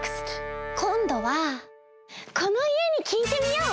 こんどはこのいえにきいてみよう！